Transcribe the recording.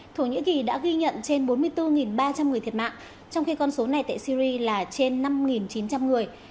thổ nhĩ kỳ đã ghi nhận trên bốn mươi bốn ba trăm linh người thiệt mạng trong khi con số này tại syri là trên năm chín trăm linh người